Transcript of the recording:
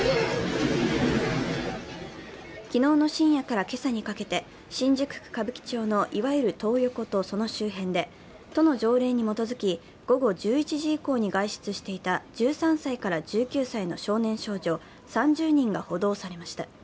昨日の深夜から今朝にかけて、新宿区歌舞伎町のいわゆるトー横とその周辺で都の条例に基づき午後１１時以降に外出していた１３歳から１９歳の少年少女、３０人が補導されました。